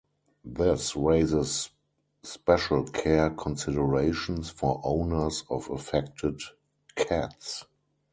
This raises special care considerations for owners of affected cats.